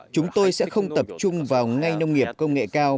chúng tôi sẽ không tập trung vào ngay nông nghiệp công nghệ cao